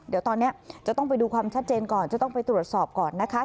เดี๋ยวตอนนี้จะต้องไปดูความชัดเจนก่อนจะต้องไปตรวจสอบก่อนนะคะ